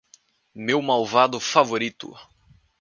Meu malvado favorito